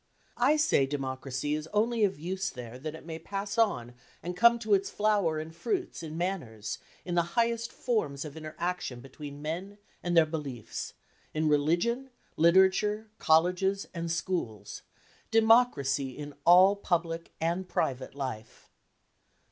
I say Democracy is only of use there that it may pass on and come to its flower and fruits in manners, in the highest forms of interaction between men and their beliefs—in Religion, Literature, Colleges and Schools—Democracy in all public and private life."